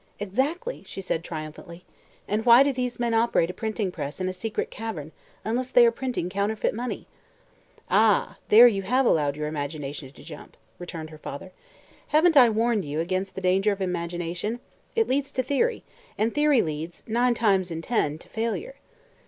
"Exactly!" she said triumphantly. "And why do these men operate a printing press in a secret cavern, unless they are printing counterfeit money?" "Ah, there you have allowed your imagination to jump," returned her father. "Haven't I warned you against the danger of imagination? It leads to theory, and theory leads nine times in ten to failure."